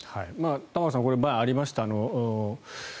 玉川さん前にありました。